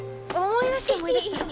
思い出した思い出した。